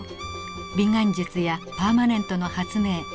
美顔術やパーマネントの発明。